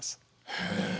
へえ。